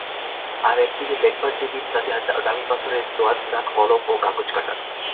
আর-এক দিকে লেখবার টেবিল, তাতে দামি পাথরের দোয়াতদান, কলম ও কাগজকাটা।